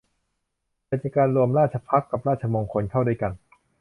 เกิดจากการรวมราชภัฏกับราชมงคลเข้าด้วยกัน